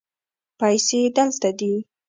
پیسې دلته دي